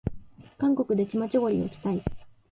韓国でチマチョゴリを着たい